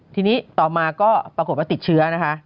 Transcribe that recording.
ทีนี้ต่อมาก็ปรากฏว่าติดเชื้อนะคะ